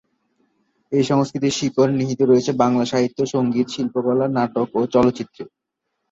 এই সংস্কৃতির শিকড় নিহিত রয়েছে বাংলা সাহিত্য, সংগীত, শিল্পকলা, নাটক ও চলচ্চিত্রে।